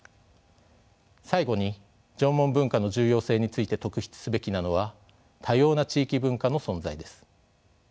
最後に縄文文化の重要性について特筆すべきなのは多様な地域文化の存在です。